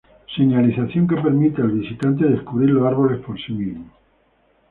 Señalización que permite al visitante descubrir los árboles por sí mismo.